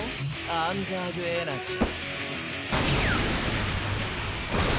アンダーグ・エナジー！